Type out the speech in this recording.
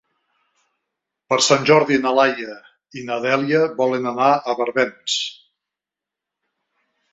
Per Sant Jordi na Laia i na Dèlia volen anar a Barbens.